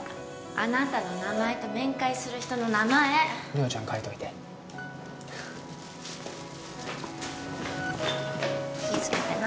あなたの名前と面会する人の名前梨央ちゃん書いといて気いつけてな